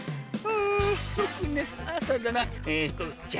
うん。